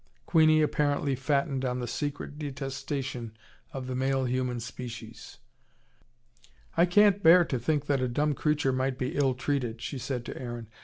Queenie apparently fattened on the secret detestation of the male human species. "I can't bear to think that a dumb creature might be ill treated," she said to Aaron.